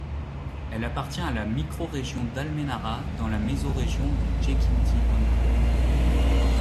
Elle appartient à la Microrégion d'Almenara dans la Mésorégion du Jequitinhonha.